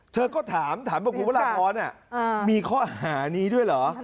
เธอก็ถามถามบอกว่าพี่พระราชออนด์เนี่ยมีข้ออาหารีด้วยเหรอ